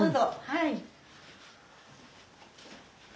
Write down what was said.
はい。